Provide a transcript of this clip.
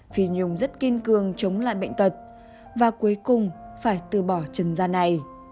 phi nhung rất kiên cường chống lại bệnh tật và cuối cùng phải từ bỏ chân da này